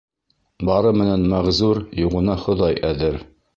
Бары менән мәғзур, юғына Хоҙай әҙер.